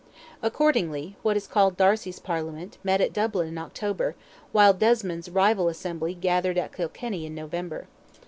Accordingly, what is called Darcy's Parliament, met at Dublin in October, while Desmond's rival assembly gathered at Kilkenny in November.